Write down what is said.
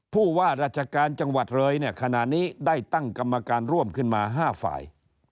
ผู้ว่าราชการจังหวัดเลยเนี่ยขณะนี้ได้ตั้งกรรมการร่วมขึ้นมา๕ฝ่าย